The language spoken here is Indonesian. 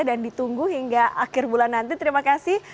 dan ditunggu hingga akhir bulan nanti terima kasih